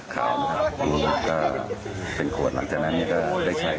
ขาวนะครับก็เป็นขวดหลังจากนั้นก็ได้ใช้